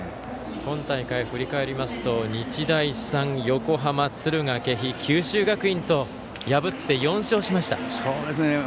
今大会を振り返りますと日大三、横浜敦賀気比、九州学院と破って４勝しました。